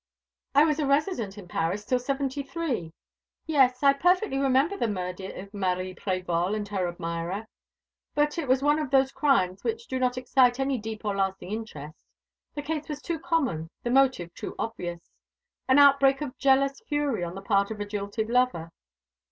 "I was a resident in Paris till '73. Yes, I perfectly remember the murder of Marie Prévol and her admirer. But it was one of those crimes which do not excite any deep or lasting interest. The case was too common, the motive too obvious. An outbreak of jealous fury on the part of a jilted lover.